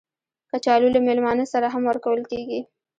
کچالو له میلمانه سره هم ورکول کېږي